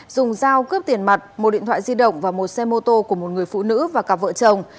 dùng dao cướp tiền mặt một điện thoại di động và một xe mô tô của một người phụ nữ và cả vợ chồng